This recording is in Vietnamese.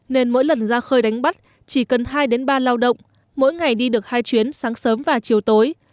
nên mỗi lần ra khơi đánh bắt chỉ cần hai ba lao động mỗi ngày đi được hai chuyến sáng sớm và chiều tối